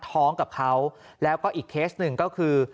ท้องกับเขาแล้วก็อีกเคสหนึ่งก็คือ